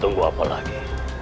tunggu waktu lagi